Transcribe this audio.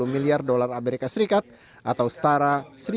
satu ratus tiga puluh miliar dolar amerika serikat atau setara satu tujuh ratus